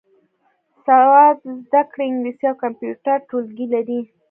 د سواد زده کړې انګلیسي او کمپیوټر ټولګي لري.